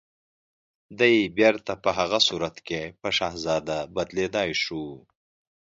دی بيرته په هغه صورت کې په شهزاده بدليدای شو